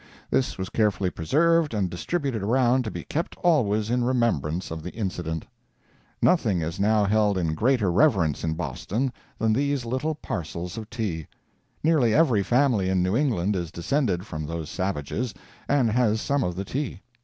This was carefully preserved and distributed around to be kept always in remembrance of the incident. Nothing is now held in greater reverence in Boston, than these little parcels of tea. Nearly every family in New England is descended from those savages, and has some of the tea.